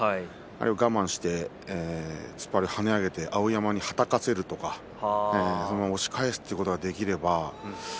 我慢して突っ張りを跳ね上げて碧山にはたかせるとか押し返すということができれば。